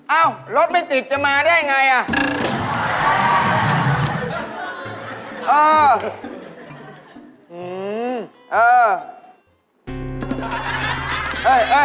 เอ้ารถไม่ติดจะมาได้อย่างไร